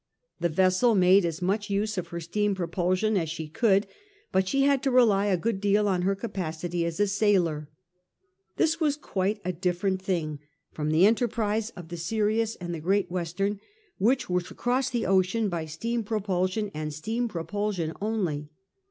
The vessel made as much use of her steam propulsion as she could, but she had to rely a good deal on her capacity as a sailer. This was quite a different thing from the enterprise of the Sirius and the Great Western , which was to cross the ocean by steam propulsion and steam propulsion only.